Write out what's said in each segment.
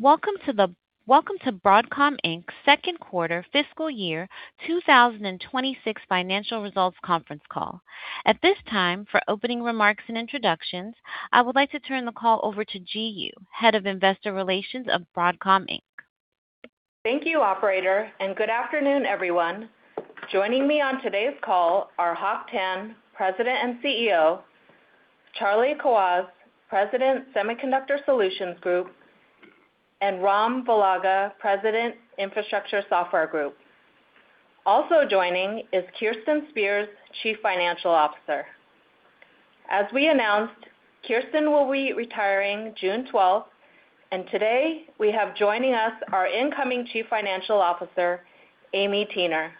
Welcome to Broadcom Inc.'s second quarter fiscal year 2026 financial results conference call. At this time, for opening remarks and introductions, I would like to turn the call over to Ji Yoo, Head of Investor Relations of Broadcom Inc. Thank you, operator. Good afternoon, everyone. Joining me on today's call are Hock Tan, President and CEO, Charlie Kawwas, President, Semiconductor Solutions Group, and Ram Velaga, President, Infrastructure Software Group. Also joining is Kirsten Spears, Chief Financial Officer. As we announced, Kirsten will be retiring June 12th, and today we have joining us our incoming Chief Financial Officer, Amie Thuener.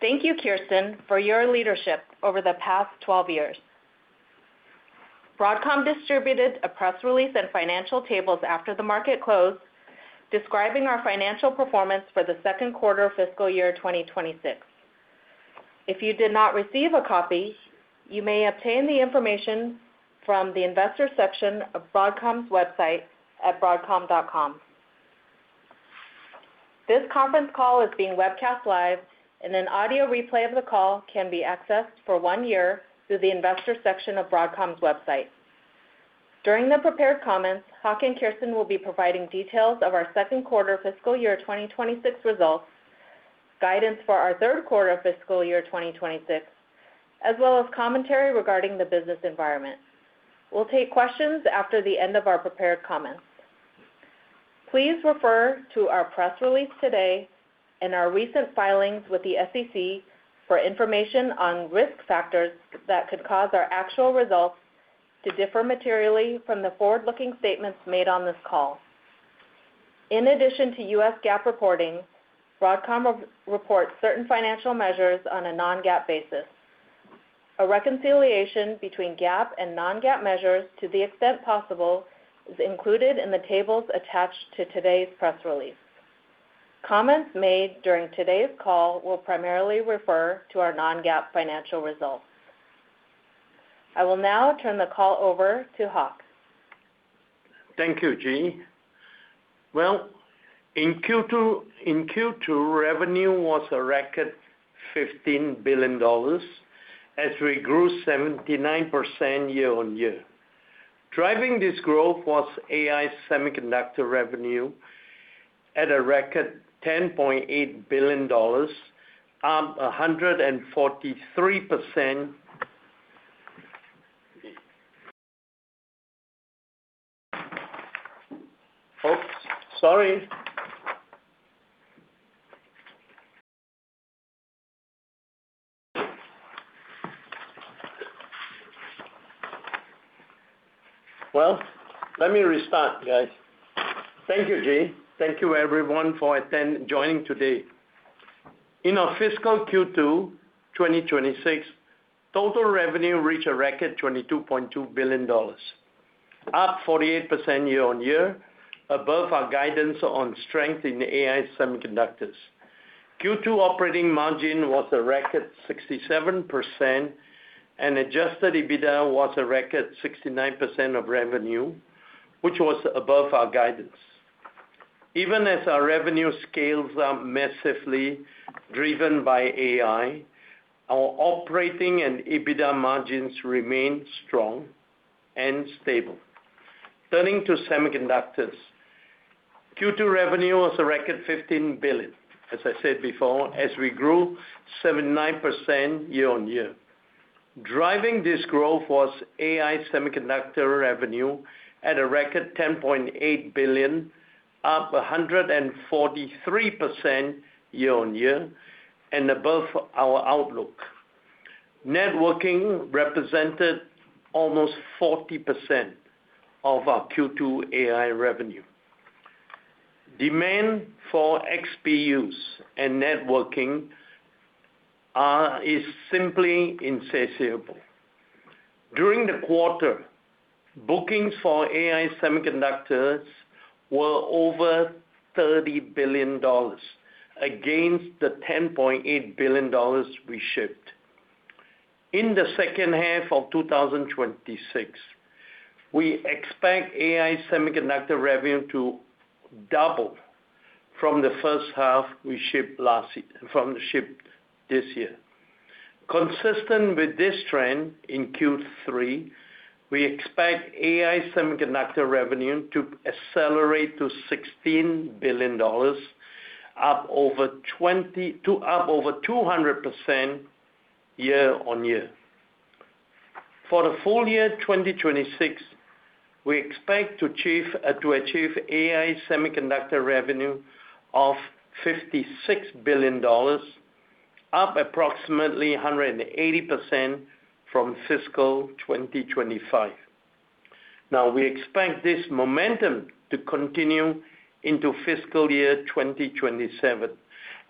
Thank you, Kirsten, for your leadership over the past 12 years. Broadcom distributed a press release and financial tables after the market closed, describing our financial performance for the second quarter fiscal year 2026. If you did not receive a copy, you may obtain the information from the investor section of Broadcom's website at broadcom.com. This conference call is being webcast live, and an audio replay of the call can be accessed for one year through the investor section of Broadcom's website. During the prepared comments, Hock and Kirsten will be providing details of our second quarter fiscal year 2026 results, guidance for our third quarter fiscal year 2026, as well as commentary regarding the business environment. We'll take questions after the end of our prepared comments. Please refer to our press release today and our recent filings with the SEC for information on risk factors that could cause our actual results to differ materially from the forward-looking statements made on this call. In addition to US GAAP reporting, Broadcom reports certain financial measures on a non-GAAP basis. A reconciliation between GAAP and non-GAAP measures, to the extent possible, is included in the tables attached to today's press release. Comments made during today's call will primarily refer to our non-GAAP financial results. I will now turn the call over to Hock. Thank you, Ji. Thank you, everyone, for joining today. In our fiscal Q2 2026, total revenue reached a record $22.2 billion, up 48% year-on-year, above our guidance on strength in AI semiconductors. Q2 operating margin was a record 67%, and adjusted EBITDA was a record 69% of revenue, which was above our guidance. Even as our revenue scales up massively, driven by AI, our operating and EBITDA margins remain strong and stable. Turning to semiconductors, Q2 revenue was a record $15 billion, as I said before, as we grew 79% year-on-year. Driving this growth was AI semiconductor revenue at a record $10.8 billion, up 143% year-on-year and above our outlook. Networking represented almost 40% of our Q2 AI revenue. Demand for XPUs and networking is simply insatiable. During the quarter, bookings for AI semiconductors were over $30 billion against the $10.8 billion we shipped. In the second half of 2026, we expect AI semiconductor revenue to double from the first half we shipped this year. Consistent with this trend, in Q3, we expect AI semiconductor revenue to accelerate to $16 billion, up over 200% year-on-year. For the full year 2026, we expect to achieve AI semiconductor revenue of $56 billion, up approximately 180% from fiscal 2025. We expect this momentum to continue into fiscal year 2027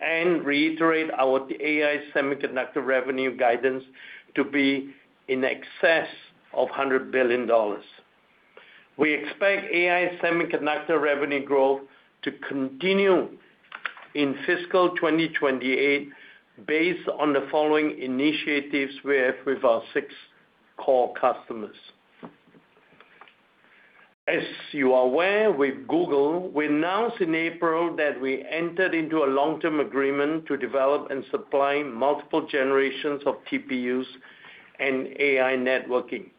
and reiterate our AI semiconductor revenue guidance to be in excess of $100 billion. We expect AI semiconductor revenue growth to continue in fiscal 2028, based on the following initiatives with our six core customers. As you are aware, with Google, we announced in April that we entered into a long-term agreement to develop and supply multiple generations of TPUs and AI networking.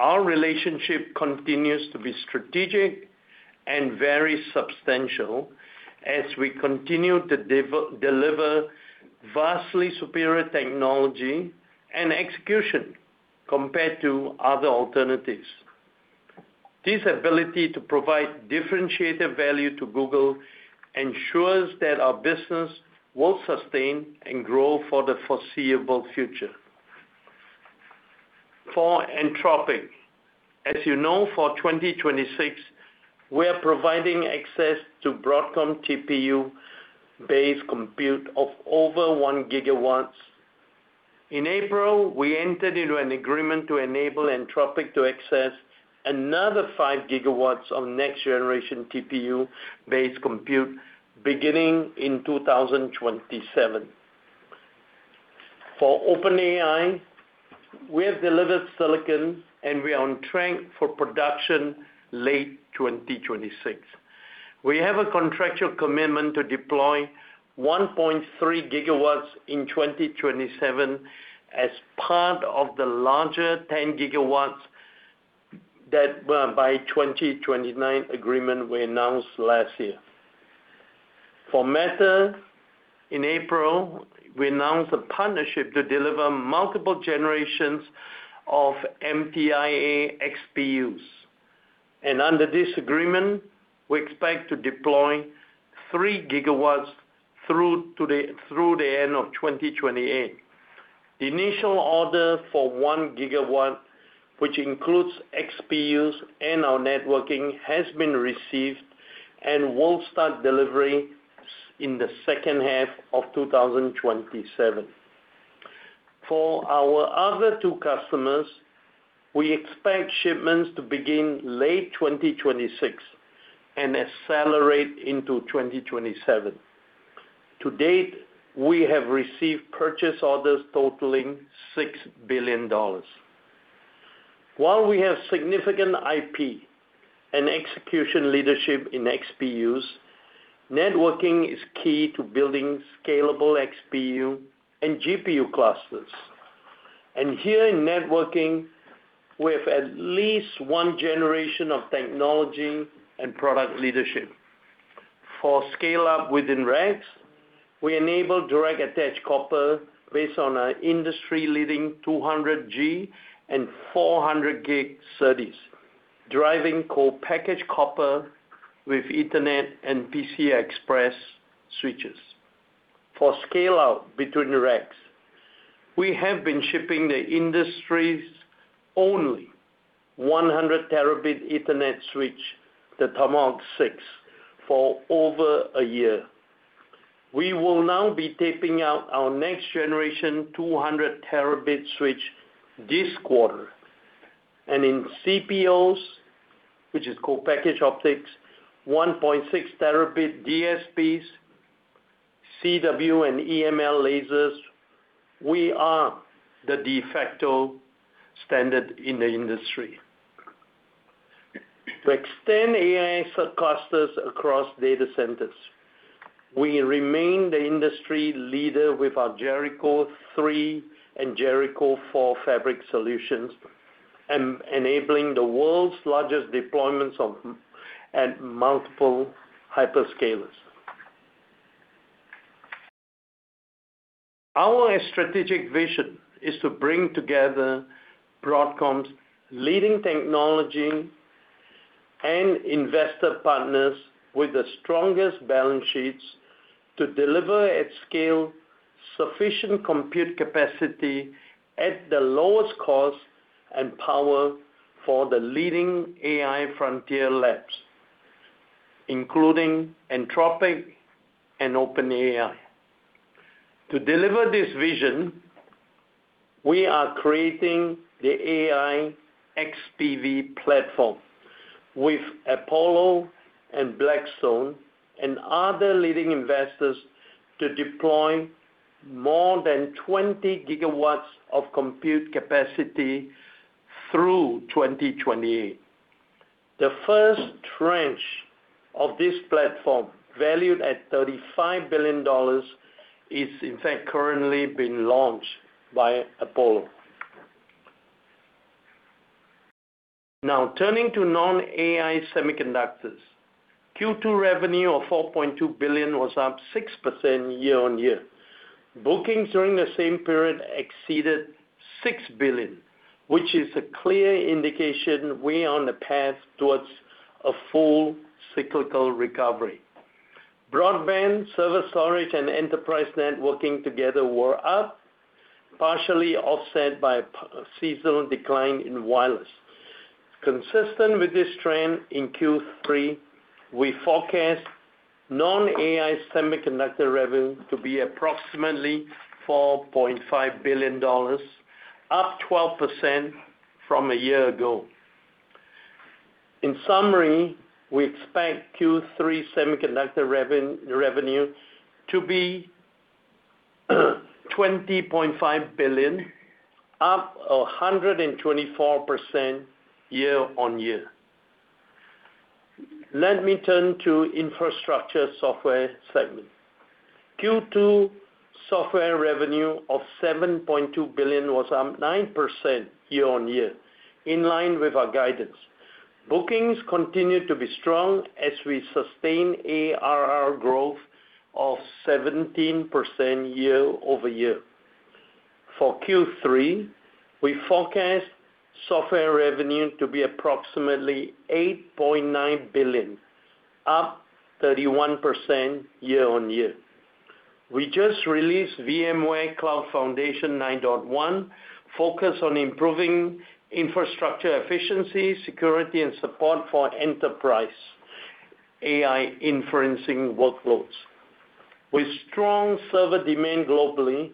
Our relationship continues to be strategic and very substantial as we continue to deliver vastly superior technology and execution compared to other alternatives. This ability to provide differentiated value to Google ensures that our business will sustain and grow for the foreseeable future. For Anthropic, as you know, for 2026, we are providing access to Broadcom TPU-based compute of over one gigawatts. In April, we entered into an agreement to enable Anthropic to access another five gigawatts of next-generation TPU-based compute beginning in 2027. For OpenAI, we have delivered silicon, and we are on track for production late 2026. We have a contractual commitment to deploy 1.3 GW in 2027 as part of the larger 10 GW that by 2029 agreement we announced last year. For Meta, in April, we announced a partnership to deliver multiple generations of MTIA XPUs. Under this agreement, we expect to deploy 3 GW through the end of 2028. The initial order for 1 GW, which includes XPUs and our networking, has been received and will start delivery in the second half of 2027. For our other two customers, we expect shipments to begin late 2026 and accelerate into 2027. To date, we have received purchase orders totaling $6 billion. While we have significant IP and execution leadership in XPUs, networking is key to building scalable XPU and GPU clusters. Here in networking, we have at least one generation of technology and product leadership. For scale up within racks, we enable direct attached copper based on our industry-leading 200G and 400G SerDes, driving co-packaged copper with Ethernet and PCI Express switches. For scale out between racks, we have been shipping the industry's only 100 terabit Ethernet switch, the Tomahawk 6, for over a year. We will now be taping out our next generation 200 terabit switch this quarter. In CPOs, which is co-packaged optics, 1.6 Tb DSPs, CW and EML lasers, we are the de facto standard in the industry. To extend AI clusters across data centers, we remain the industry leader with our Jericho 3 and Jericho 4 fabric solutions, enabling the world's largest deployments at multiple hyperscalers. Our strategic vision is to bring together Broadcom's leading technology and investor partners with the strongest balance sheets to deliver at scale sufficient compute capacity at the lowest cost and power for the leading AI frontier labs, including Anthropic and OpenAI. To deliver this vision, we are creating the AI XPU platform with Apollo and Blackstone and other leading investors to deploy more than 20 GW of compute capacity through 2028. The first tranche of this platform, valued at $35 billion, is in fact currently being launched by Apollo. Turning to non-AI semiconductors. Q2 revenue of $4.2 billion was up 6% year-on-year. Bookings during the same period exceeded $6 billion, which is a clear indication we're on a path towards a full cyclical recovery. Broadband, server storage and enterprise networking together were up, partially offset by a seasonal decline in wireless. Consistent with this trend in Q3, we forecast non-AI semiconductor revenue to be approximately $4.5 billion, up 12% from a year ago. In summary, we expect Q3 semiconductor revenue to be $20.5 billion, up 124% year-over-year. Let me turn to Infrastructure software segment. Q2 software revenue of $7.2 billion was up 9% year-over-year, in line with our guidance. Bookings continue to be strong as we sustain ARR growth of 17% year-over-year. For Q3, we forecast software revenue to be approximately $8.9 billion, up 31% year-over-year. We just released VMware Cloud Foundation 9.1, focused on improving infrastructure efficiency, security, and support for enterprise AI inferencing workloads. With strong server demand globally,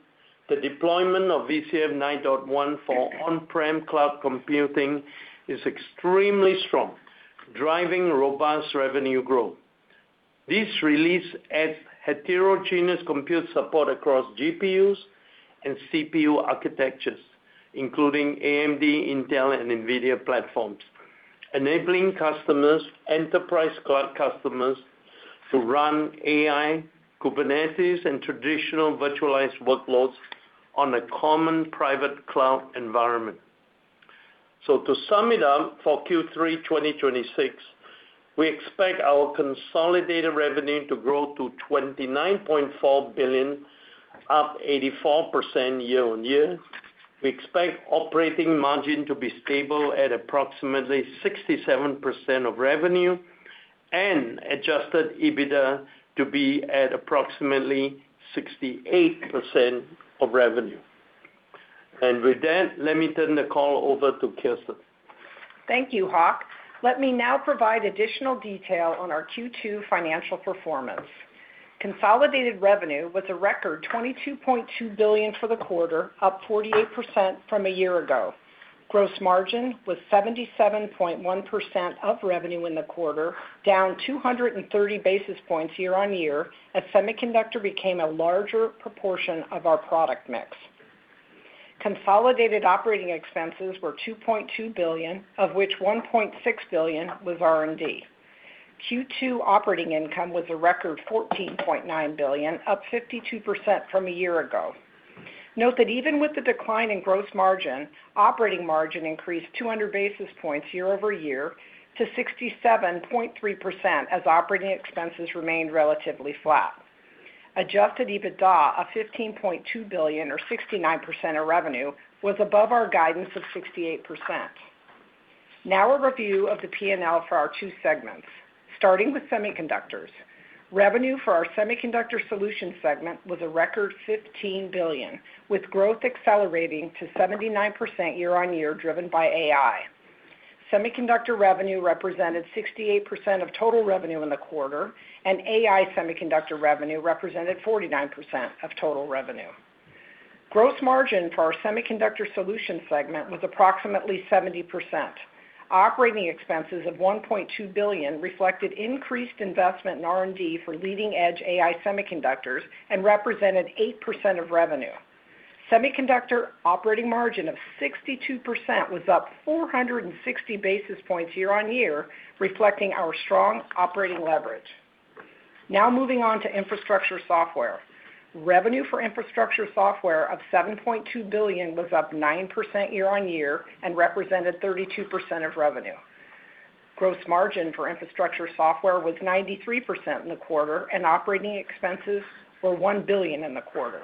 the deployment of VCF 9.1 for on-prem cloud computing is extremely strong, driving robust revenue growth. This release adds heterogeneous compute support across GPUs and CPU architectures, including AMD, Intel, and NVIDIA platforms, enabling enterprise cloud customers to run AI, Kubernetes, and traditional virtualized workloads on a common private cloud environment. To sum it up, for Q3 2026, we expect our consolidated revenue to grow to $29.4 billion, up 84% year-on-year. We expect operating margin to be stable at approximately 67% of revenue, and adjusted EBITDA to be at approximately 68% of revenue. With that, let me turn the call over to Kirsten. Thank you, Hock. Let me now provide additional detail on our Q2 financial performance. Consolidated revenue was a record $22.2 billion for the quarter, up 48% from a year ago. Gross margin was 77.1% of revenue in the quarter, down 230 basis points year-on-year, as semiconductor became a larger proportion of our product mix. Consolidated operating expenses were $2.2 billion, of which $1.6 billion was R&D. Q2 operating income was a record $14.9 billion, up 52% from a year ago. Note that even with the decline in gross margin, operating margin increased 200 basis points year-over-year to 67.3% as operating expenses remained relatively flat. Adjusted EBITDA of $15.2 billion or 69% of revenue was above our guidance of 68%. A review of the P&L for our two segments. Starting with semiconductors. Revenue for our Semiconductor Solutions segment was a record $15 billion with growth accelerating to 79% year-on-year driven by AI. Semiconductor revenue represented 68% of total revenue in the quarter, and AI semiconductor revenue represented 49% of total revenue. Gross margin for our Semiconductor Solutions segment was approximately 70%. Operating expenses of $1.2 billion reflected increased investment in R&D for leading-edge AI semiconductors and represented 8% of revenue. Semiconductor operating margin of 62% was up 460 basis points year-on-year, reflecting our strong operating leverage. Now moving on to Infrastructure Software. Revenue for Infrastructure Software of $7.2 billion was up 9% year-on-year and represented 32% of revenue. Gross margin for Infrastructure Software was 93% in the quarter, and operating expenses were $1 billion in the quarter.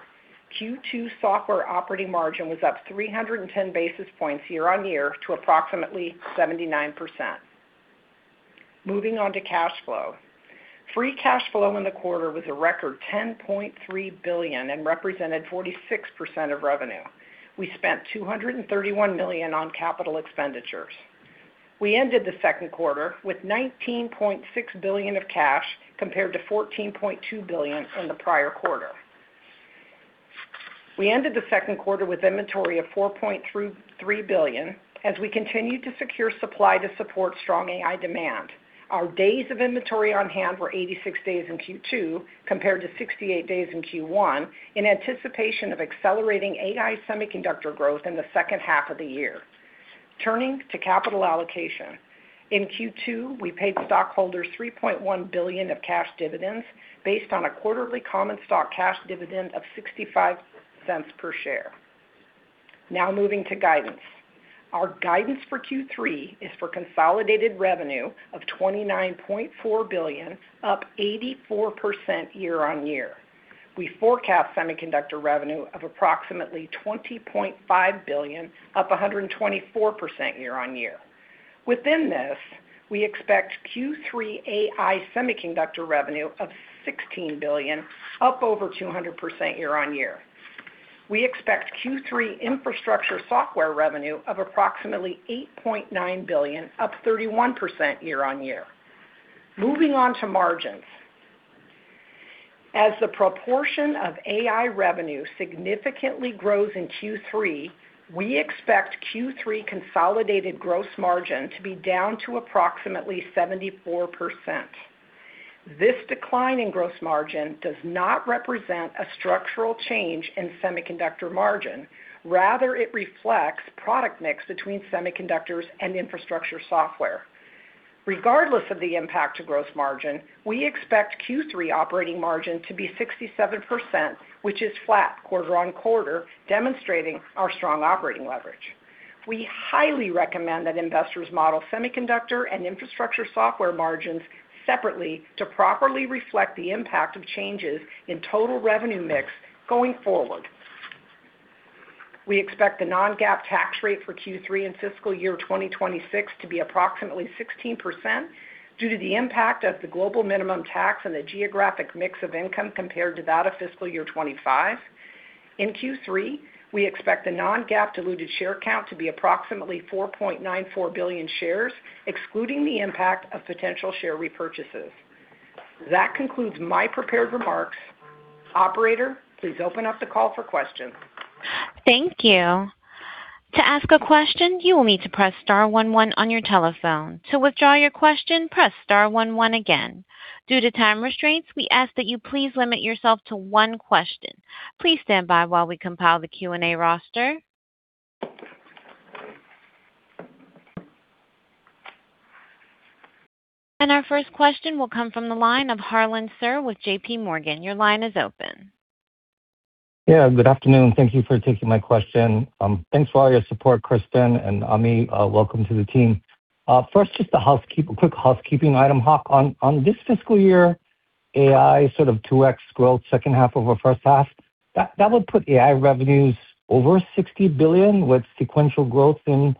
Q2 software operating margin was up 310 basis points year-on-year to approximately 79%. Moving on to cash flow. Free cash flow in the quarter was a record $10.3 billion and represented 46% of revenue. We spent $231 million on capital expenditures. We ended the second quarter with $19.6 billion of cash compared to $14.2 billion in the prior quarter. We ended the second quarter with inventory of $4.33 billion as we continued to secure supply to support strong AI demand. Our days of inventory on hand were 86 days in Q2 compared to 68 days in Q1 in anticipation of accelerating AI semiconductor growth in the second half of the year. Turning to capital allocation. In Q2, we paid stockholders $3.1 billion of cash dividends based on a quarterly common stock cash dividend of $0.65 per share. Now moving to guidance. Our guidance for Q3 is for consolidated revenue of $29.4 billion, up 84% year-over-year. We forecast semiconductor revenue of approximately $20.5 billion, up 124% year-on-year. Within this, we expect Q3 AI semiconductor revenue of $16 billion, up over 200% year-on-year. We expect Q3 infrastructure software revenue of approximately $8.9 billion, up 31% year-on-year. Moving on to margins. As the proportion of AI revenue significantly grows in Q3, we expect Q3 consolidated gross margin to be down to approximately 74%. This decline in gross margin does not represent a structural change in semiconductor margin. Rather, it reflects product mix between semiconductors and infrastructure software. Regardless of the impact to gross margin, we expect Q3 operating margin to be 67%, which is flat quarter-over-quarter, demonstrating our strong operating leverage. We highly recommend that investors model semiconductor and infrastructure software margins separately to properly reflect the impact of changes in total revenue mix going forward. We expect the non-GAAP tax rate for Q3 in fiscal year 2026 to be approximately 16% due to the impact of the global minimum tax and the geographic mix of income compared to that of fiscal year 2025. In Q3, we expect the non-GAAP diluted share count to be approximately 4.94 billion shares, excluding the impact of potential share repurchases. That concludes my prepared remarks. Operator, please open up the call for questions. Thank you. To ask a question, you will need to press star one one on your telephone. To withdraw your question, press star one one again. Due to time restraints, we ask that you please limit yourself to one question. Please stand by while we compile the Q&A roster. Our first question will come from the line of Harlan Sur with JPMorgan. Your line is open. Good afternoon. Thank you for taking my question. Thanks for all your support, Kirsten and Amie. Welcome to the team. First, just a quick housekeeping item, Hock. On this fiscal year, AI sort of 2x growth, second half over first half. That would put AI revenues over $60 billion with sequential growth in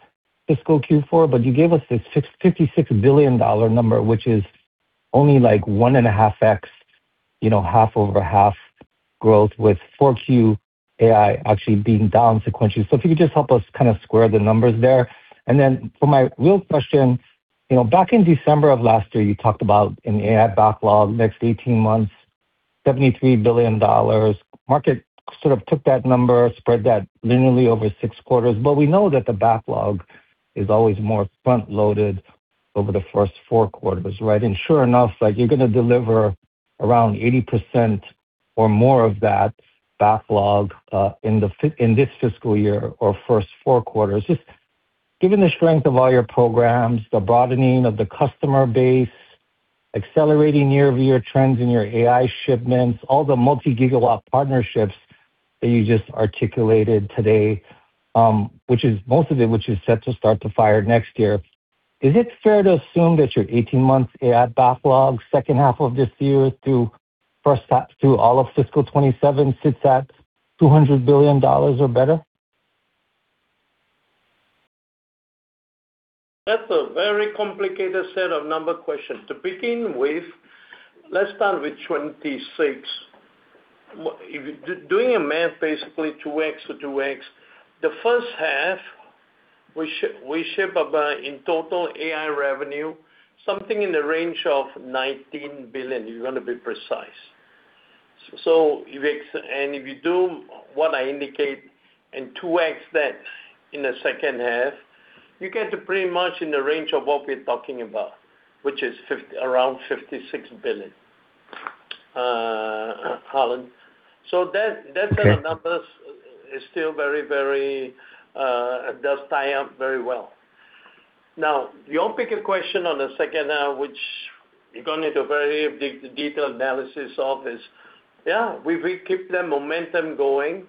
fiscal Q4. You gave us this $56 billion number, which is only 1.5x, half over half growth with Q4 AI actually being down sequentially. If you could just help us square the numbers there. For my real question, back in December of last year, you talked about an AI backlog next 18 months, $73 billion. Market sort of took that number, spread that linearly over six quarters. We know that the backlog is always more front-loaded over the first four quarters, right? Sure enough, you're going to deliver around 80% or more of that backlog in this fiscal year or first four quarters. Just given the strength of all your programs, the broadening of the customer base, accelerating year-over-year trends in your AI shipments, all the multi-gigawatt partnerships that you just articulated today, most of it which is set to start to fire next year. Is it fair to assume that your 18-month AI backlog second half of this year through all of fiscal 2027 sits at $200 billion or better? That's a very complicated set of number questions. To begin with, let's start with 2026. Doing a math, basically 2x to 2x. The first half, we ship in total AI revenue, something in the range of $19 billion, if you want to be precise. If you do what I indicate and 2x that in the second half, you get to pretty much in the range of what we're talking about, which is around $56 billion, Harlan. Okay. That set of numbers does tie up very well. Your bigger question on the second half, which you're going to need a very detailed analysis of is, yeah, we will keep the momentum going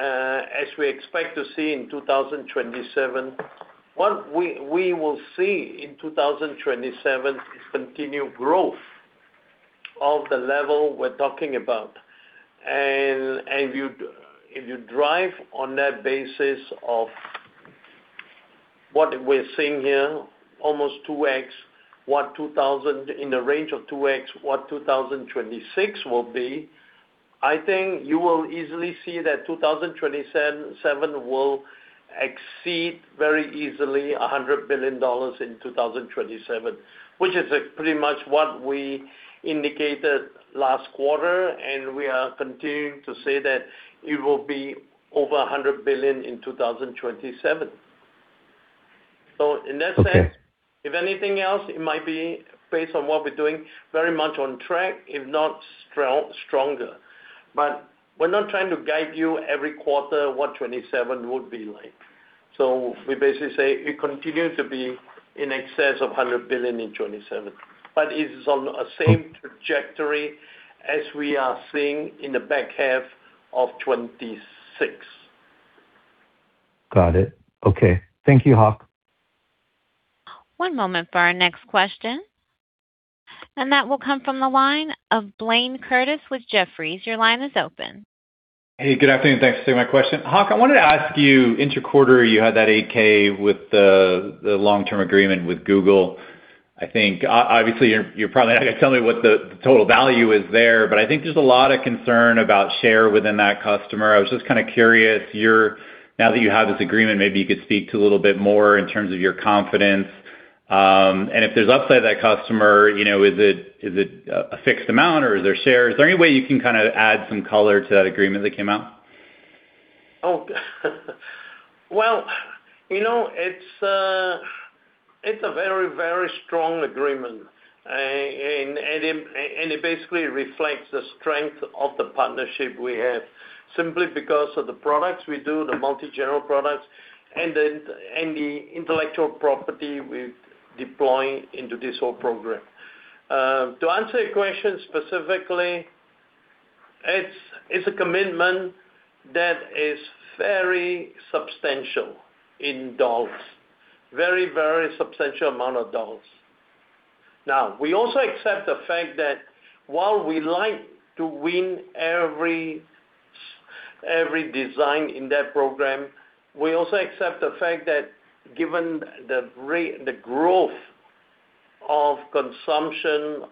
as we expect to see in 2027. What we will see in 2027 is continued growth of the level we're talking about. If you drive on that basis of what we're seeing here, almost 2x, in the range of 2x, what 2026 will be, I think you will easily see that 2027 will exceed very easily $100 billion in 2027, which is pretty much what we indicated last quarter. We are continuing to say that it will be over $100 billion in 2027. Okay. In that sense, if anything else, it might be based on what we're doing very much on track, if not stronger. We're not trying to guide you every quarter what 2027 would be like. We basically say it continues to be in excess of $100 billion in 2027. It is on a same trajectory as we are seeing in the back half of 2026. Got it. Okay. Thank you, Hock. One moment for our next question. That will come from the line of Blayne Curtis with Jefferies. Your line is open. Hey, good afternoon. Thanks for taking my question. Hock, I wanted to ask you, interquarter, you had that 8-K with the long-term agreement with Google. Obviously, you're probably not going to tell me what the total value is there. I think there's a lot of concern about share within that customer. I was just curious, now that you have this agreement, maybe you could speak to a little bit more in terms of your confidence. If there's upside to that customer, is it a fixed amount or is there share? Is there any way you can add some color to that agreement that came out? Well, it's a very strong agreement. It basically reflects the strength of the partnership we have, simply because of the products we do, the multi-general products, and the intellectual property we've deployed into this whole program. To answer your question specifically, it's a commitment that is very substantial in dollars. Very substantial amount of dollars. Now, we also accept the fact that while we like to win every design in that program, we also accept the fact that given the growth of consumption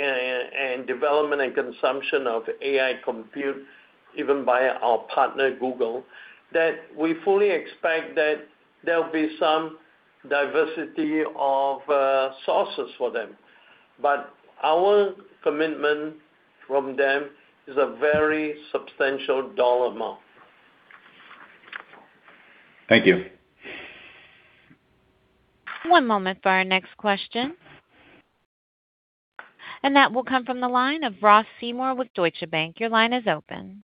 and development and consumption of AI compute, even by our partner, Google, that we fully expect that there'll be some diversity of sources for them. Our commitment from them is a very substantial dollar amount. Thank you. One moment for our next question. That will come from the line of Ross Seymore with Deutsche Bank. Your line is open.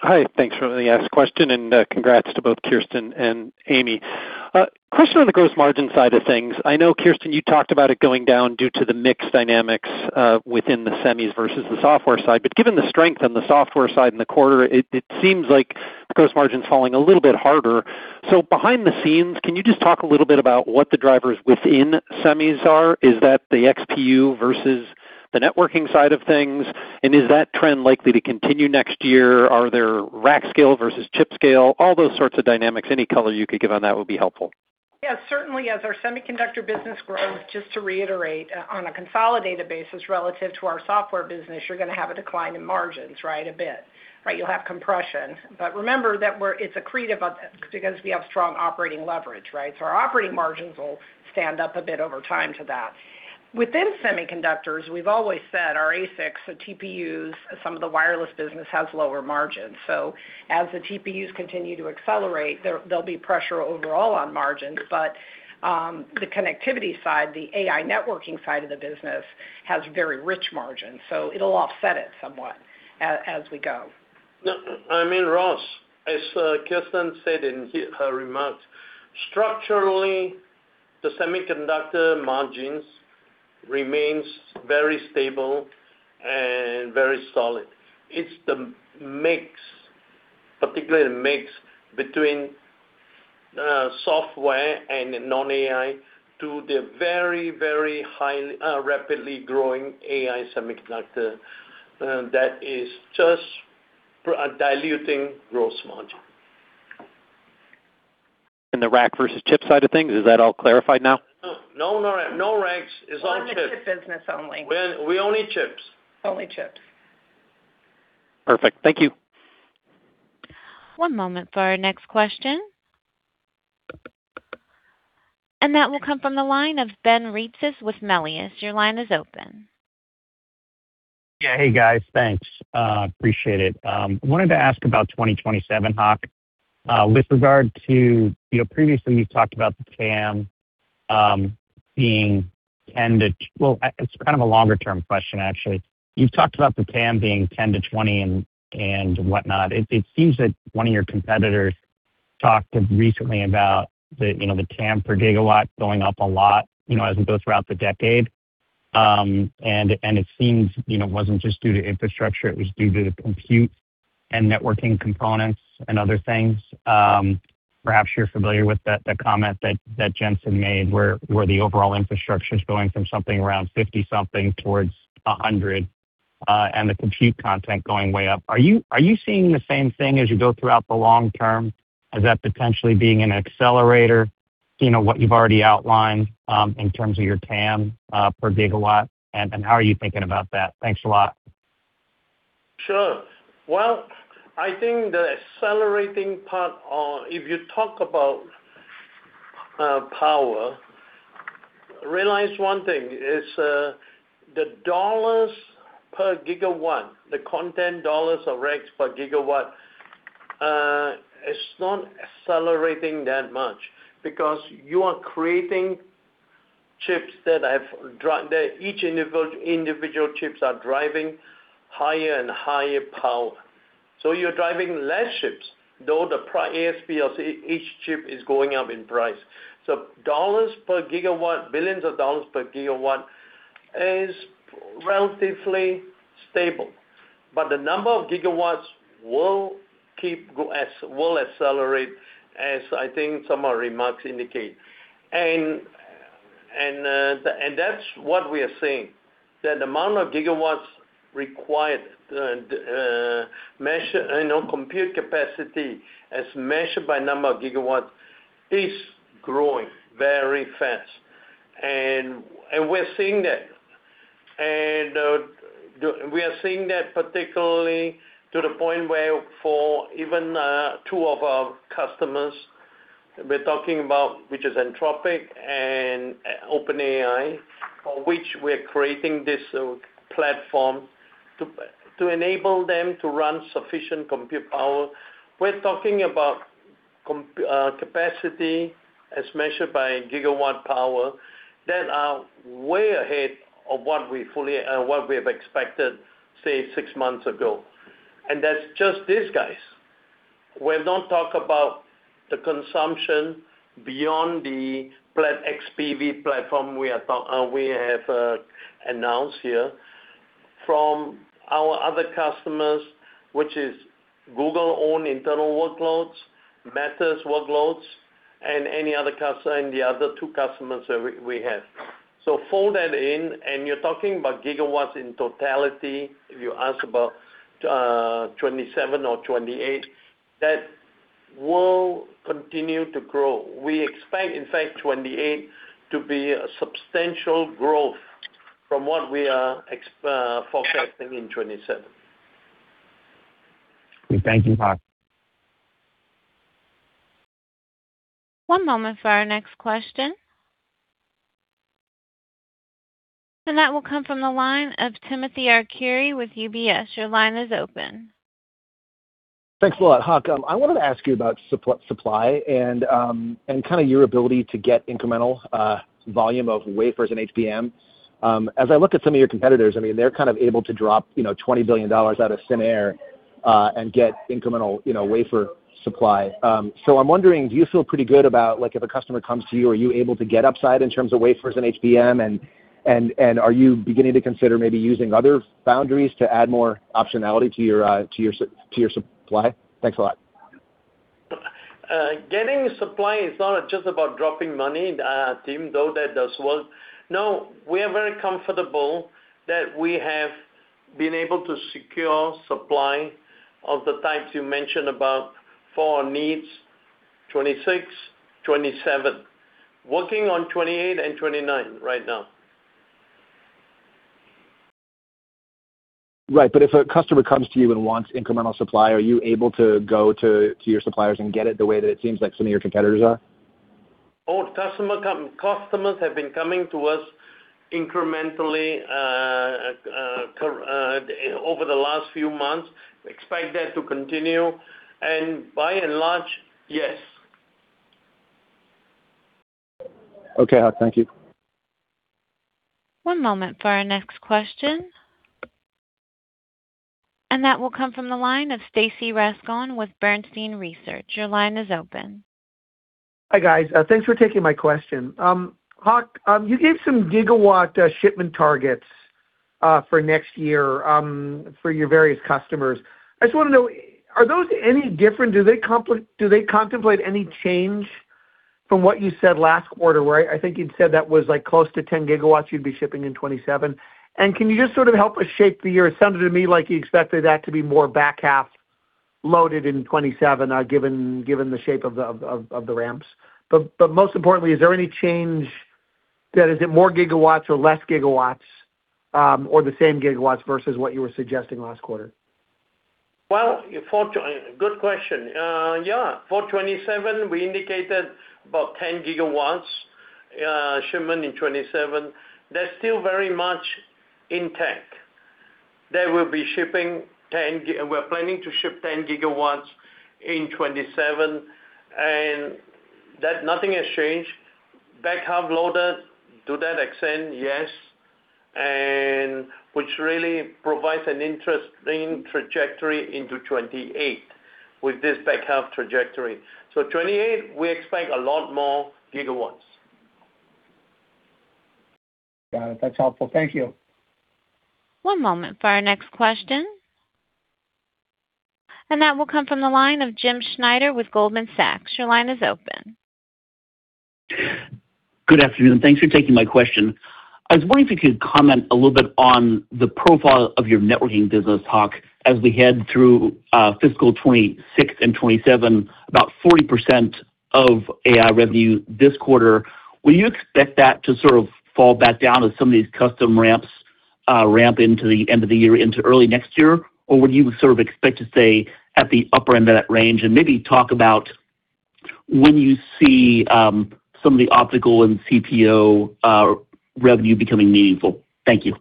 Hi. Thanks for letting me ask the question, and congrats to both Kirsten and Amie. A question on the gross margin side of things. I know, Kirsten, you talked about it going down due to the mix dynamics within the semis versus the software side, but given the strength on the software side in the quarter, it seems like the gross margin's falling a little bit harder. Behind the scenes, can you just talk a little bit about what the drivers within semis are? Is that the XPU versus the networking side of things? Is that trend likely to continue next year? Are there rack scale versus chip scale? All those sorts of dynamics, any color you could give on that would be helpful. Yes, certainly. As our semiconductor business grows, just to reiterate, on a consolidated basis relative to our software business, you're going to have a decline in margins, right? A bit. You'll have compression. Remember that it's accretive because we have strong operating leverage, right? Our operating margins will stand up a bit over time to that. Within semiconductors, we've always said our ASICs, TPU, some of the wireless business has lower margins. As the TPU continue to accelerate, there'll be pressure overall on margins. The connectivity side, the AI networking side of the business, has very rich margins. It'll offset it somewhat as we go. I mean, Ross, as Kirsten said in her remarks, structurally, the semiconductor margins remains very stable and very solid. It's the mix, particularly the mix between software and non-AI to the very highly, rapidly growing AI semiconductor that is just diluting gross margin. The rack versus chip side of things, is that all clarified now? No rack. It's all chips. We're in the chip business only. We only chips. Only chips. Perfect. Thank you. One moment for our next question. That will come from the line of Ben Reitzes with Melius. Your line is open. Yeah. Hey, guys. Thanks. Appreciate it. I wanted to ask about 2027, Hock. With regard to, previously you've talked about the TAM being 10 to 20 and whatnot. It seems that one of your competitors talked recently about the TAM per gigawatt going up a lot as we go throughout the decade. It seems it wasn't just due to infrastructure, it was due to the compute and networking components and other things. Perhaps you're familiar with that comment that Jensen made where the overall infrastructure's going from something around 50 something towards 100, and the compute content going way up. Are you seeing the same thing as you go throughout the long term? Is that potentially being an accelerator to what you've already outlined, in terms of your TAM per gigawatt, and how are you thinking about that? Thanks a lot. Sure. Well, I think the accelerating part, if you talk about power, realize one thing, is the dollars per gigawatt, the content dollars or racks per gigawatt, is not accelerating that much because you are creating chips that each individual chips are driving higher and higher power. You're driving less chips, though the ASP of each chip is going up in price. Dollars per gigawatt, dollar billions per gigawatt is relatively stable. The number of gigawatts will accelerate as I think some of our remarks indicate. That's what we are seeing, that the amount of gigawatts required, compute capacity as measured by number of gigawatts, is growing very fast. We're seeing that. We are seeing that particularly to the point where for even two of our customers, we're talking about, which is Anthropic and OpenAI, for which we're creating this platform to enable them to run sufficient compute power. We're talking about capacity as measured by gigawatt power that are way ahead of what we have expected, say, six months ago. That's just these guys. We've not talked about the consumption beyond the XPU platform we have announced here from our other customers, which is Google-owned internal workloads, Meta's workloads, and the other two customers we have. Fold that in, and you're talking about gigawatts in totality. If you ask about 2027 or 2028, that will continue to grow. We expect, in fact, 2028 to be a substantial growth from what we are forecasting in 2027. Thank you, Hock. One moment for our next question. That will come from the line of Timothy Arcuri with UBS. Your line is open. Thanks a lot, Hock. I wanted to ask you about supply and your ability to get incremental volume of wafers and HBM. As I look at some of your competitors, they're able to drop $20 billion out of thin air and get incremental wafer supply. I'm wondering, do you feel pretty good about if a customer comes to you, are you able to get upside in terms of wafers and HBM, and are you beginning to consider maybe using other foundries to add more optionality to your supply? Thanks a lot. Getting supply is not just about dropping money, Tim, though that does work. We are very comfortable that we have been able to secure supply of the types you mentioned about for our needs 2026, 2027. Working on 2028 and 2029 right now. Right. If a customer comes to you and wants incremental supply, are you able to go to your suppliers and get it the way that it seems like some of your competitors are? Customers have been coming to us incrementally over the last few months. Expect that to continue. By and large, yes. Okay, Hock. Thank you. One moment for our next question. That will come from the line of Stacy Rasgon with Bernstein Research. Your line is open. Hi, guys. Thanks for taking my question. Hock, you gave some gigawatt shipment targets for next year for your various customers. I just want to know, are those any different? Do they contemplate any change from what you said last quarter, where I think you'd said that was close to 10 GW you'd be shipping in 2027? Can you just help us shape the year? It sounded to me like you expected that to be more back-half loaded in 2027, given the shape of the ramps. Most importantly, is there any change that is it more gigawatts or less gigawatts, or the same gigawatts versus what you were suggesting last quarter? Well, good question. Yeah. For 2027, we indicated about 10 GW shipment in 2027. That's still very much intact. We're planning to ship 10 GW in 2027, and nothing has changed. Back-half loaded to that extent, yes, and which really provides an interesting trajectory into 2028 with this back-half trajectory. 2028, we expect a lot more gigawatts. Got it. That's helpful. Thank you. One moment for our next question. That will come from the line of Jim Schneider with Goldman Sachs. Your line is open. Good afternoon. Thanks for taking my question. I was wondering if you could comment a little bit on the profile of your networking business, Hock, as we head through fiscal 2026 and 2027, about 40% of AI revenue this quarter. Will you expect that to sort of fall back down as some of these custom ramps ramp into the end of the year into early next year, or would you sort of expect to stay at the upper end of that range? Maybe talk about when you see some of the optical and CPO revenue becoming meaningful. Thank you.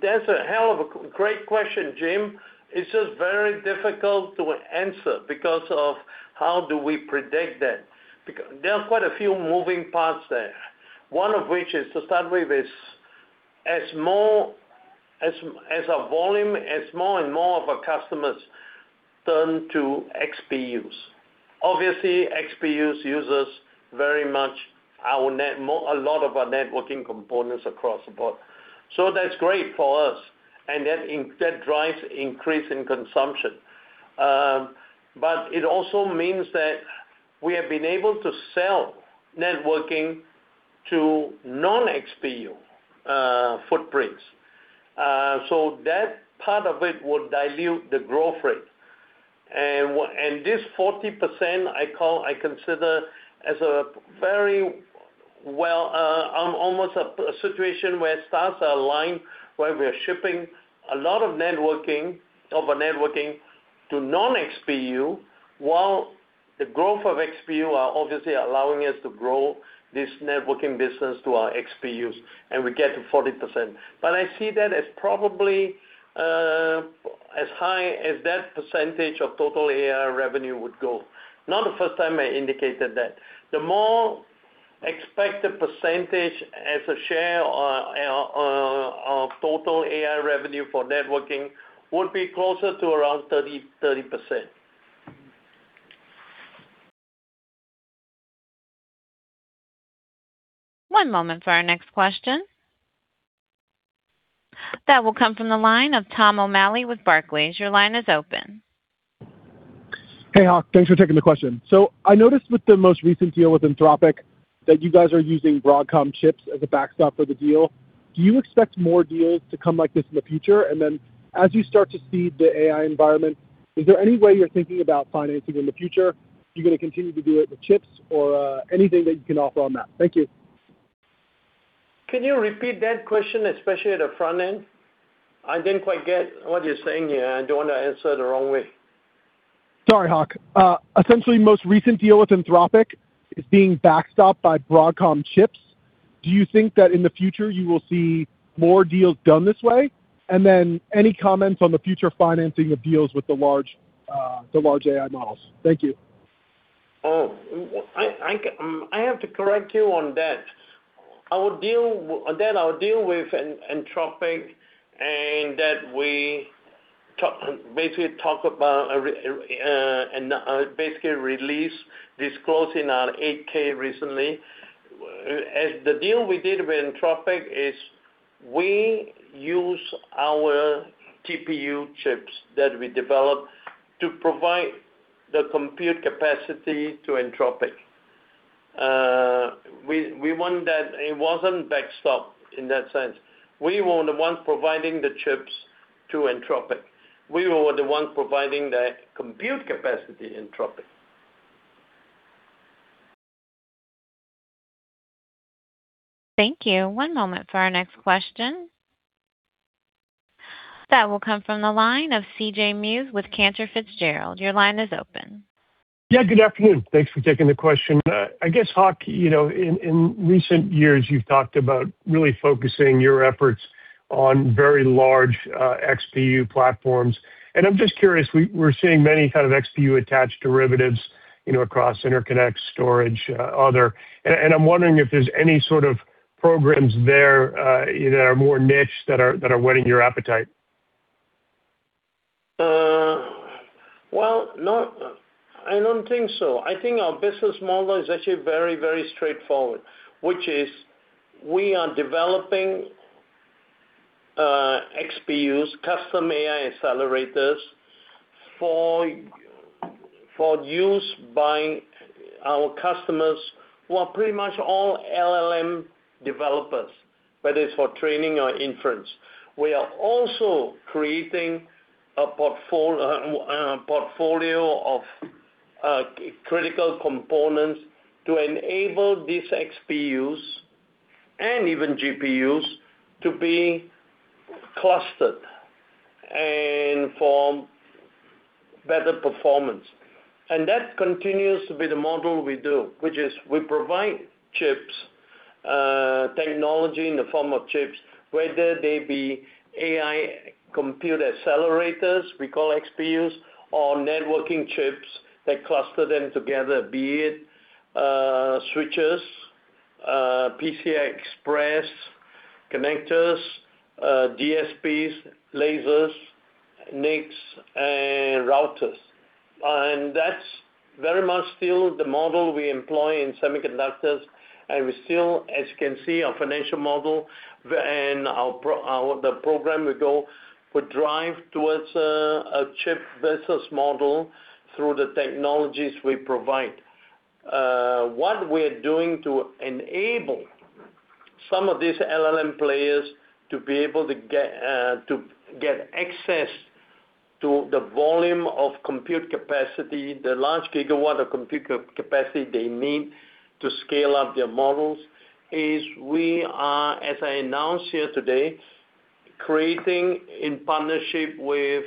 That's a hell of a great question, Jim. It's just very difficult to answer because of how do we predict that. There are quite a few moving parts there. One of which is to start with is as a volume, as more and more of our customers turn to XPUs. Obviously, XPUs uses very much a lot of our networking components across the board. That's great for us, and that drives increase in consumption. It also means that we have been able to sell networking to non-XPU footprints. That part of it would dilute the growth rate. This 40%, I consider as almost a situation where stars align, where we are shipping a lot of networking to non-XPU, while the growth of XPU are obviously allowing us to grow this networking business to our XPUs, and we get to 40%. I see that as probably as high as that percentage of total AI revenue would go. Not the first time I indicated that. The more expected percentage as a share of total AI revenue for networking would be closer to around 30%. One moment for our next question. That will come from the line of Tom O'Malley with Barclays. Your line is open. Hey, Hock. Thanks for taking the question. I noticed with the most recent deal with Anthropic that you guys are using Broadcom chips as a backstop for the deal. Do you expect more deals to come like this in the future? As you start to see the AI environment, is there any way you're thinking about financing in the future? You're going to continue to do it with chips or anything that you can offer on that? Thank you. Can you repeat that question, especially at the front end? I didn't quite get what you're saying here. I don't want to answer the wrong way. Sorry, Hock. Essentially, most recent deal with Anthropic is being backstopped by Broadcom chips. Do you think that in the future you will see more deals done this way? Any comments on the future financing of deals with the large AI models? Thank you. Oh, I have to correct you on that. Our deal with Anthropic and that we basically released, disclosed in our 8-K recently. As the deal we did with Anthropic is we use our TPU chips that we developed to provide the compute capacity to Anthropic. It wasn't backstop in that sense. We were the ones providing the chips to Anthropic. We were the ones providing the compute capacity to Anthropic. Thank you. One moment for our next question. That will come from the line of C.J. Muse with Cantor Fitzgerald. Your line is open. Yeah, good afternoon. Thanks for taking the question. I guess, Hock, in recent years you've talked about really focusing your efforts on very large XPU platforms. I'm just curious, we're seeing many kind of XPU attached derivatives across interconnect, storage, other. I'm wondering if there's any sort of programs there that are more niche that are whetting your appetite. Well, I don't think so. I think our business model is actually very straightforward, which is we are developing XPUs, custom AI accelerators for use by our customers who are pretty much all LLM developers, whether it's for training or inference. We are also creating a portfolio of critical components to enable these XPUs and even GPUs to be clustered and form better performance. That continues to be the model we do, which is we provide chips, technology in the form of chips, whether they be AI compute accelerators we call XPUs or networking chips that cluster them together, be it switches, PCI Express connectors, DSP, lasers, NICs, and routers. We still, as you can see, our financial model and the program we go, we drive towards a chip business model through the technologies we provide. What we are doing to enable some of these LLM players to be able to get access to the volume of compute capacity, the large gigawatt of compute capacity they need to scale up their models is we are, as I announced here today, creating in partnership with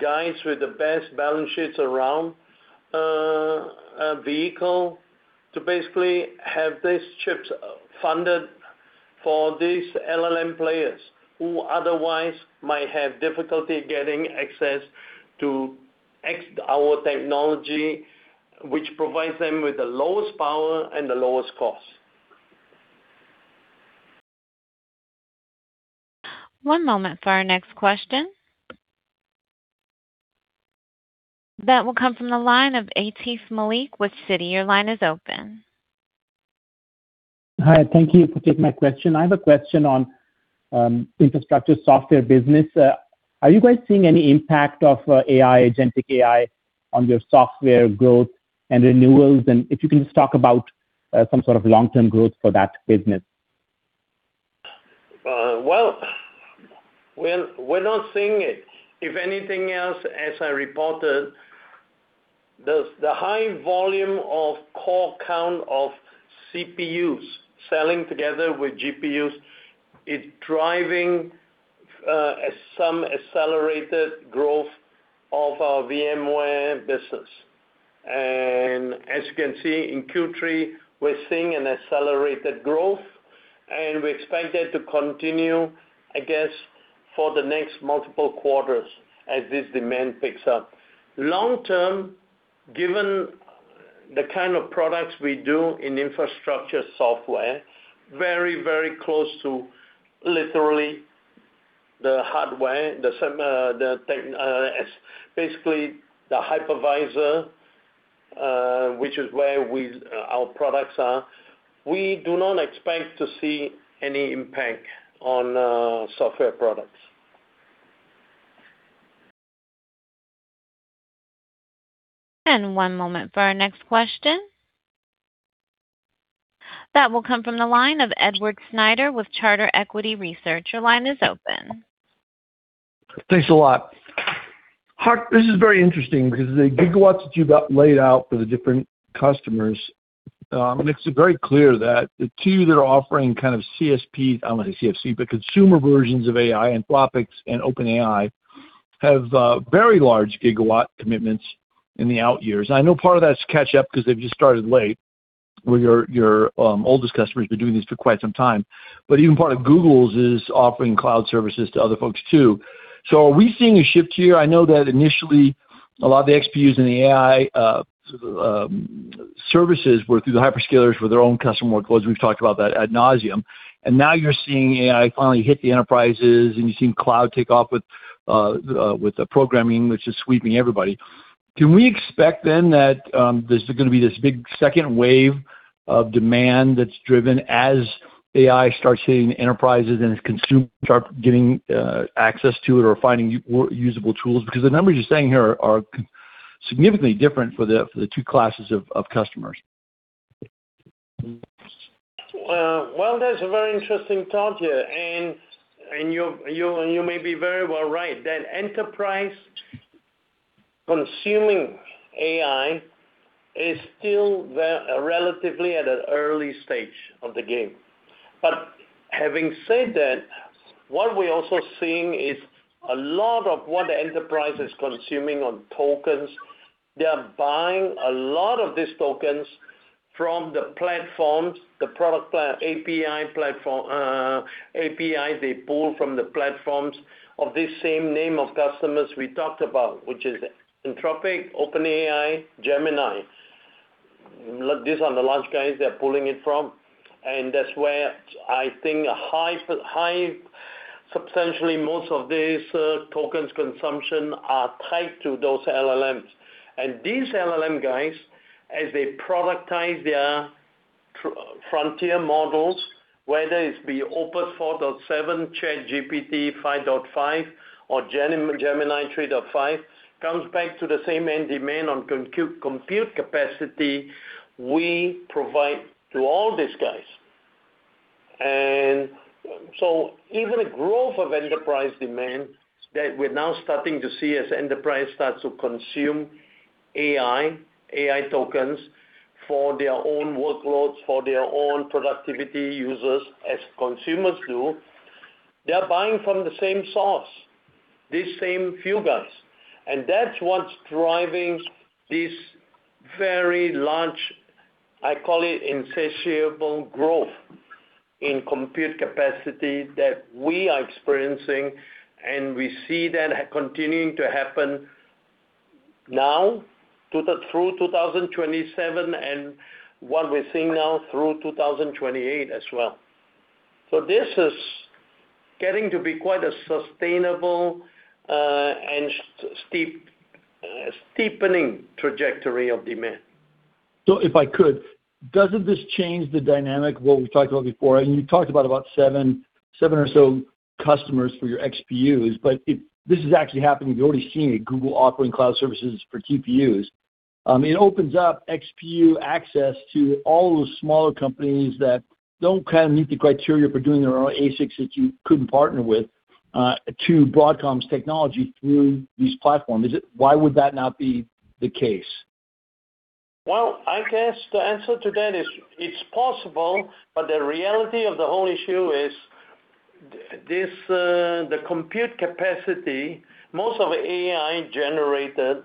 guys with the best balance sheets around, a vehicle to basically have these chips funded for these LLM players who otherwise might have difficulty getting access to our technology, which provides them with the lowest power and the lowest cost. One moment for our next question. That will come from the line of Atif Malik with Citi. Your line is open. Hi, thank you for taking my question. I have a question on Infrastructure Software business. Are you guys seeing any impact of AI, agentic AI, on your software growth and renewals? If you can just talk about some sort of long-term growth for that business. Well, we're not seeing it. If anything else, as I reported, the high volume of core count of CPUs selling together with GPUs, it's driving some accelerated growth of our VMware business. As you can see in Q3, we're seeing an accelerated growth, and we expect that to continue, I guess, for the next multiple quarters as this demand picks up. Long term, given the kind of products we do in infrastructure software, very close to literally the hardware, basically the hypervisor, which is where our products are. We do not expect to see any impact on software products. One moment for our next question. That will come from the line of Edward Snyder with Charter Equity Research. Your line is open. Thanks a lot. Hock, this is very interesting because the gigawatts that you laid out for the different customers, it's very clear that the two that are offering kind of CSP, I don't want to say CFC, but consumer versions of AI, Anthropic and OpenAI, have very large gigawatt commitments in the out years. I know part of that's catch up because they've just started late, where your oldest customers have been doing this for quite some time. Even part of Google's is offering cloud services to other folks, too. Are we seeing a shift here? I know that initially a lot of the XPUs and the AI services were through the hyperscalers for their own customer workloads. We've talked about that ad nauseam. Now you're seeing AI finally hit the enterprises, and you're seeing cloud take off with the programming, which is sweeping everybody. Can we expect that there's going to be this big second wave of demand that's driven as AI starts hitting enterprises and as consumers start getting access to it or finding usable tools? The numbers you're saying here are significantly different for the two classes of customers. Well, that's a very interesting thought here. You may be very well right that enterprise consuming AI is still relatively at an early stage of the game. Having said that, what we're also seeing is a lot of what the enterprise is consuming on tokens. They are buying a lot of these tokens from the platforms, the product API they pull from the platforms of this same name of customers we talked about, which is Anthropic, OpenAI, Gemini. These are the large guys they're pulling it from, and that's where I think high, substantially most of these tokens consumption are tied to those LLMs. These LLM guys, as they productize their frontier models, whether it be Opus 4.7, ChatGPT 5.5 or Gemini 3.5, comes back to the same end demand on compute capacity we provide to all these guys. Even a growth of enterprise demand that we're now starting to see as enterprise starts to consume AI tokens for their own workloads, for their own productivity users, as consumers do, they are buying from the same source, these same few guys. That's what's driving this very large, I call it insatiable growth in compute capacity that we are experiencing. We see that continuing to happen now through 2027 and what we're seeing now through 2028 as well. This is getting to be quite a sustainable and steepening trajectory of demand. If I could, doesn't this change the dynamic of what we've talked about before? You talked about seven or so customers for your XPUs, but this is actually happening. We've already seen it, Google offering cloud services for TPU. It opens up XPU access to all those smaller companies that don't meet the criteria for doing their own ASICs that you couldn't partner with to Broadcom's technology through these platforms. Why would that not be the case? Well, I guess the answer to that is it's possible, but the reality of the whole issue is the compute capacity most of AI generated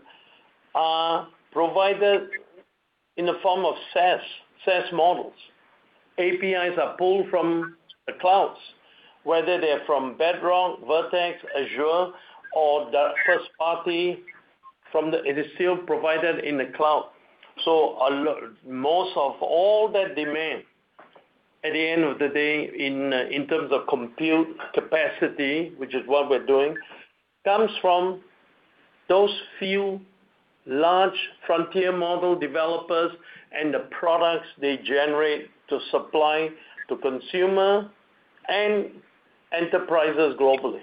are provided in the form of SaaS models. APIs are pulled from the clouds, whether they're from Bedrock, Vertex, Azure, or the first party. It is still provided in the cloud. Most of all that demand, at the end of the day, in terms of compute capacity, which is what we're doing, comes from those few large frontier model developers and the products they generate to supply to consumer and enterprises globally.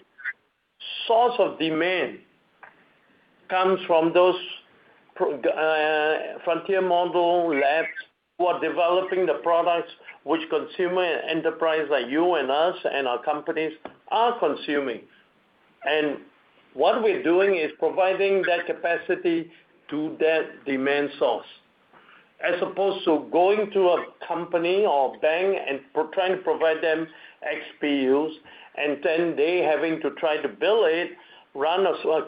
Source of demand comes from those frontier model labs who are developing the products which consumer and enterprise, like you and us and our companies, are consuming. What we're doing is providing that capacity to that demand source, as opposed to going to a company or bank and trying to provide them XPUs, and then they having to try to build it,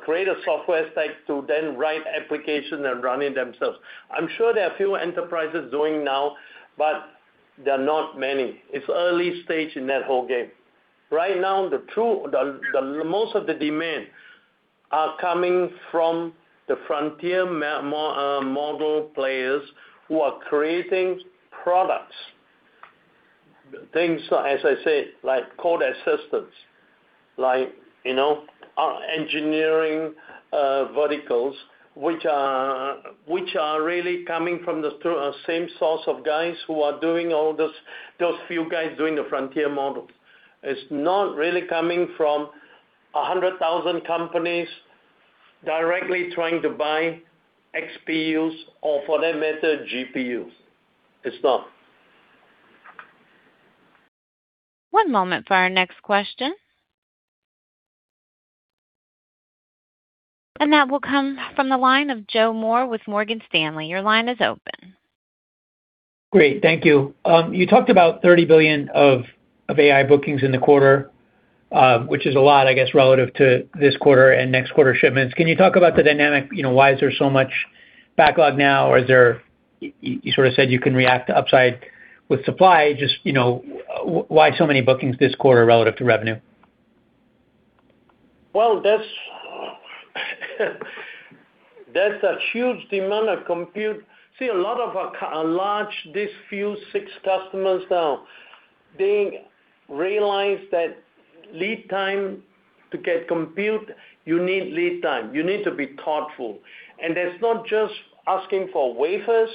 create a software stack to then write application and run it themselves. I'm sure there are few enterprises doing now, but there are not many. It's early stage in that whole game. Right now, most of the demand are coming from the frontier model players who are creating products. Things, as I said, like code assistance, like engineering verticals, which are really coming from the same source of guys who are doing all those. Those few guys doing the frontier models. It's not really coming from 100,000 companies directly trying to buy XPUs or for that matter, GPUs. It's not. One moment for our next question. That will come from the line of Joe Moore with Morgan Stanley. Your line is open. Great. Thank you. You talked about $30 billion of AI bookings in the quarter, which is a lot, I guess, relative to this quarter and next quarter shipments. Can you talk about the dynamic? Why is there so much backlog now, or is there-- You sort of said you can react to upside with supply, just why so many bookings this quarter relative to revenue? Well, there's a huge demand of compute. See, a lot of our large, these few six customers now, they realize that lead time to get compute, you need lead time. You need to be thoughtful. That's not just asking for wafers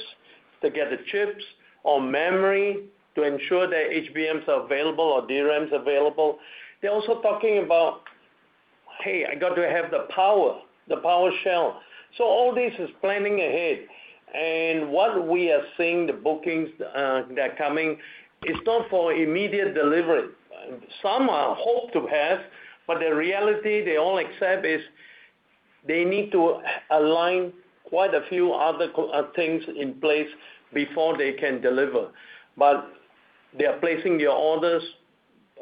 to get the chips or memory to ensure their HBMs are available or DRAMs available. They're also talking about, "Hey, I got to have the power, the power shell." All this is planning ahead. What we are seeing, the bookings that are coming, is not for immediate delivery. Some are hope to have, the reality they all accept is they need to align quite a few other things in place before they can deliver. They are placing their orders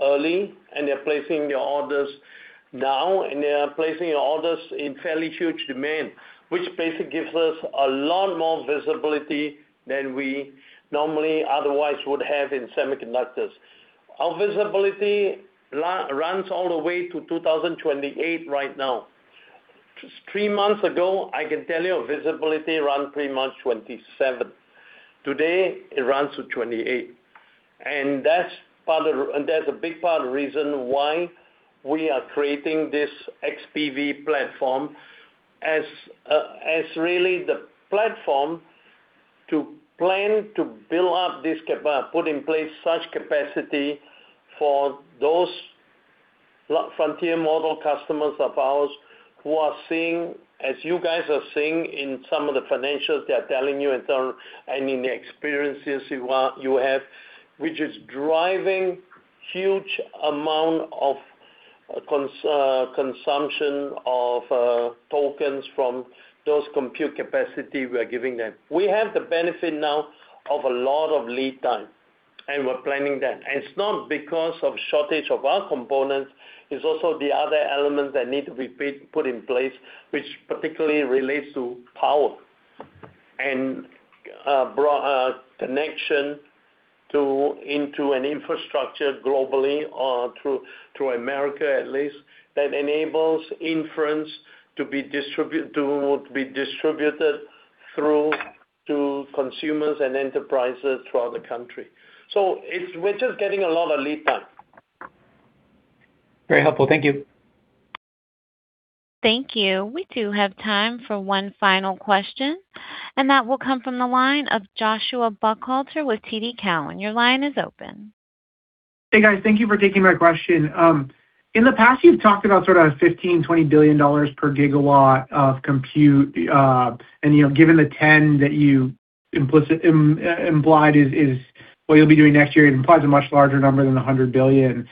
early, and they're placing their orders now, and they are placing their orders in fairly huge demand, which basically gives us a lot more visibility than we normally otherwise would have in semiconductors. Our visibility runs all the way to 2028 right now. Three months ago, I can tell you our visibility run pretty much 2027. Today, it runs to 2028. That's a big part of the reason why we are creating this XPU platform as really the platform to plan to build up this capacity for those frontier model customers of ours who are seeing, as you guys are seeing in some of the financials they are telling you and in the experiences you have, which is driving huge amount of consumption of tokens from those compute capacity we are giving them. We have the benefit now of a lot of lead time, we're planning that. It's not because of shortage of our components, it's also the other elements that need to be put in place, which particularly relates to power and connection into an infrastructure globally or through America, at least, that enables inference to be distributed through to consumers and enterprises throughout the country. We're just getting a lot of lead time. Very helpful. Thank you. Thank you. We do have time for one final question, and that will come from the line of Joshua Buchalter with TD Cowen. Your line is open. Hey, guys. Thank you for taking my question. In the past, you've talked about sort of $15 billion, $20 billion per gigawatt of compute. Given the 10 that you implied is what you'll be doing next year, it implies a much larger number than $100 billion.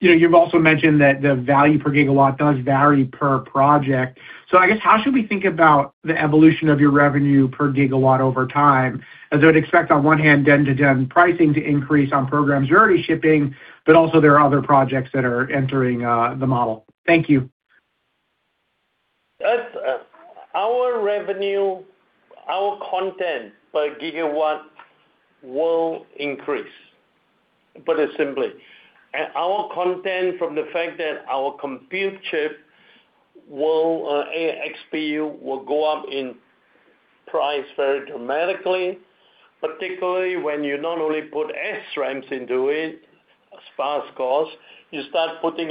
You've also mentioned that the value per gigawatt does vary per project. I guess, how should we think about the evolution of your revenue per gigawatt over time? As I would expect on one hand, then-to-then pricing to increase on programs you're already shipping, but also there are other projects that are entering the model. Thank you. Our revenue, our content per gigawatt will increase. Put it simply. Our content from the fact that our compute chip XPU will go up in price very dramatically, particularly when you not only put SRAM into it, sparse cores, you start putting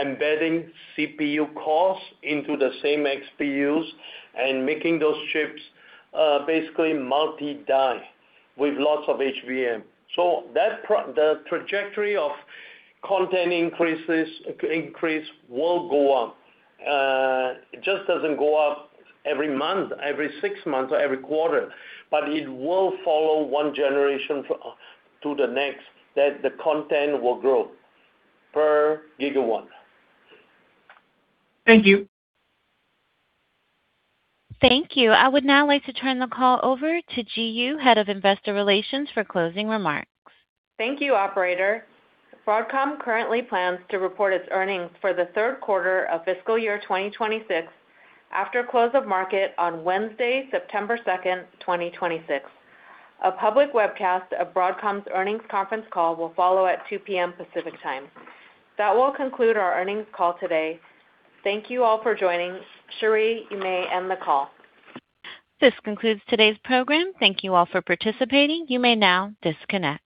embedding CPU cores into the same XPUs and making those chips basically multi-die with lots of HBM. The trajectory of content increase will go up. It just doesn't go up every month, every six months, or every quarter. It will follow one generation to the next, that the content will grow per gigawatt. Thank you. Thank you. I would now like to turn the call over to Ji Yoo, Head of Investor Relations, for closing remarks. Thank you, operator. Broadcom currently plans to report its earnings for the third quarter of fiscal year 2026 after close of market on Wednesday, September 2nd, 2026. A public webcast of Broadcom's earnings conference call will follow at 2:00 P.M. Pacific Time. That will conclude our earnings call today. Thank you all for joining. Cherie, you may end the call. This concludes today's program. Thank you all for participating. You may now disconnect.